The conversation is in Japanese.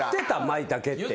まいたけって。